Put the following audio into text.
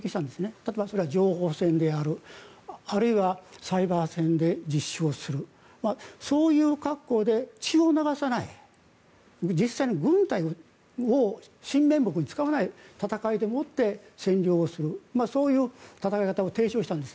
例えば、それは情報戦であるあるいはサイバー戦で実証するそういう格好で、血を流さない実際の軍隊を真面目に使わない戦いでもってそういう戦い方を提唱したんです